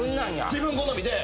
自分好みで。